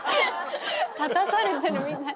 立たされてるみたい。